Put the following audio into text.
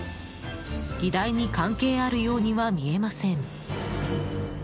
議題に関係あるようには見えません。